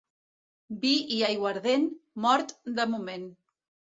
Vi i aiguardent, mort de moment.